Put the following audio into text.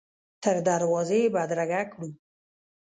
تر دروازې یې بدرګه کړو.